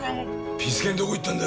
ピス健どこ行ったんだ。